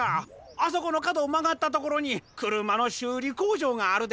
あそこのかどをまがったところにくるまのしゅうりこうじょうがあるで。